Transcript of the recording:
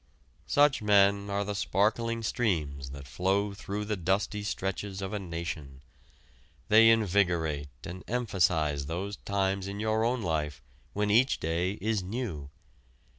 Such men are the sparkling streams that flow through the dusty stretches of a nation. They invigorate and emphasize those times in your own life when each day is new.